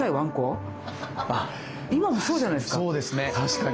今もそうじゃないですか。